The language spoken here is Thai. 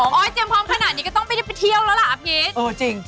เตรียมพร้อมขนาดนี้ก็ต้องไม่ได้ไปเที่ยวแล้วล่ะอาพีช